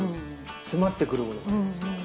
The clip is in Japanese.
迫ってくるものが。